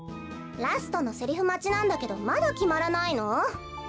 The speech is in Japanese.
ラストのセリフまちなんだけどまだきまらないの？